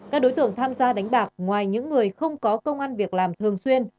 các đối tượng tham gia đánh bạc ngoài những người không có công an việc làm thường xuyên